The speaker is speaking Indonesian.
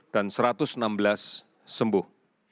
dan satu ratus enam belas sembuh